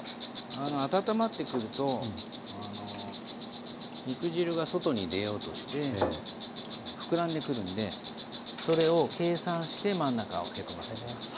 あの温まってくると肉汁が外に出ようとして膨らんでくるんでそれを計算して真ん中をへこませてます。